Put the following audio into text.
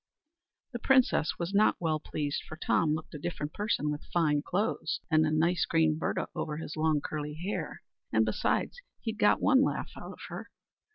The princess was not well pleased for Tom looked a different person with fine clothes and a nice green birredh over his long curly hair; and besides, he'd got one laugh out of her.